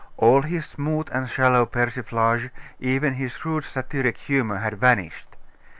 All his smooth and shallow persiflage, even his shrewd satiric humour, had vanished.